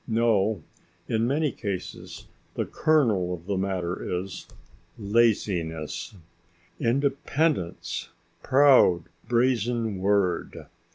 No, in many cases the kernel of the matter is laziness. Independence! Proud, brazen word!